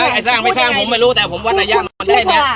ไม่สร้างไม่สร้างผมไม่รู้แต่ผมวัดอายะมันได้เนี่ย